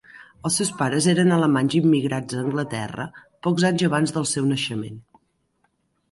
Els seus pares eren alemanys immigrats a Anglaterra pocs anys abans del seu naixement.